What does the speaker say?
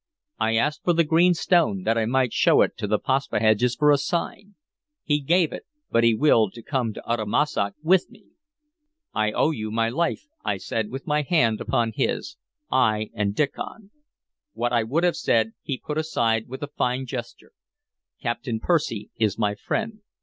I asked for the green stone, that I might show it to the Paspaheghs for a sign. He gave it, but he willed to come to Uttamussac with me." "I owe you my life," I said, with my hand upon his. "I and Diccon" What I would have said he put aside with a fine gesture. "Captain Percy is my friend.